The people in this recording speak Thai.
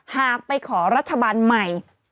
หากไปขอรัฐบาลใหม่